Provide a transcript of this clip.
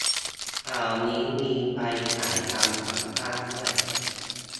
ข่าวนี้มีไปถ่ายทำ สัมภาษณ์ด้วย